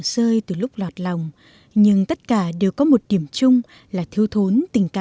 đây là những đứa trẻ bị bỏ rơi